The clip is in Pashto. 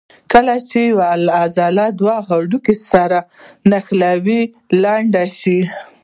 کله چې یوه عضله دوه هډوکي سره نښلوي لنډه شي.